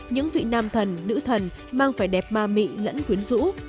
những vị nam thần nữ thần mang vẻ đẹp ma mị lẫn quyến rũ